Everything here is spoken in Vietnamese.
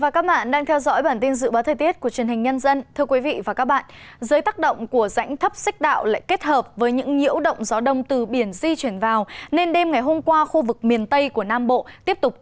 các bạn hãy đăng ký kênh để ủng hộ kênh của chúng mình nhé